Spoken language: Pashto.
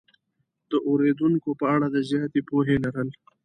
د اورېدونکو په اړه د زیاتې پوهې لرل